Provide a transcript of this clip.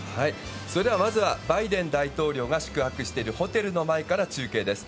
それでは、まずはバイデン大統領が宿泊しているホテルの前から中継です。